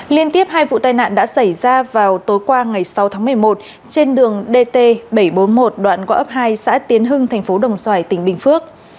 liên tiếp hai vụ tai nạn đã xảy ra vào tối qua ngày sáu tháng một mươi một trên đường dt bảy trăm bốn mươi một đoạn qua ấp hai xã tiến hưng thành phố đồng xoài tỉnh bình phước